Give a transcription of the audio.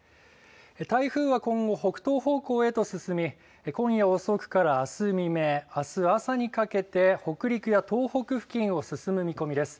台風は今後、北東方向へと進み、今夜遅くからあす未明、あす朝にかけて、北陸や東北付近を進む見込みです。